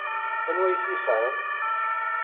Anwa i t-yesɛan?